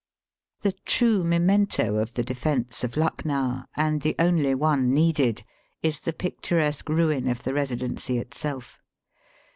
The true memento of the defence of Lucknow, and the only one needed, is the picturesque ruin of the Eesidency itself.